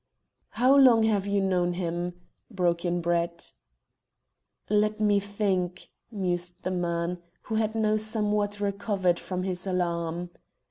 "How long have you known him?" broke in Brett. "Let me think," mused the man, who had now somewhat recovered from his alarm.